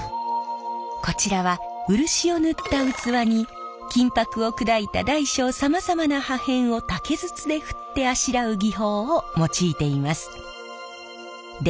こちらは漆を塗った器に金箔を砕いた大小さまざまな破片を竹筒で振ってあしらう技法を用いています。